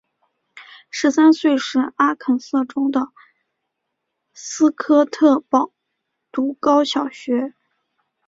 十三岁时阿肯色州的斯科特堡读高小学。